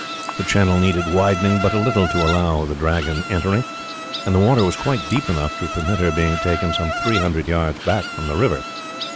The channel needed widening but a little to allow of the Dragon entering, and the water was quite deep enough to permit her being taken some three hundred yards back from the river.